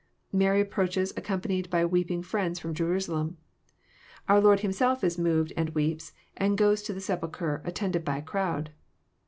Mary approaches, accompanied by weeping friends from Jerusalem. Our Lord Himself is moved, and weeps, and goes to the sepulchre, attended by a crowd.